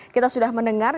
kita sudah mendengar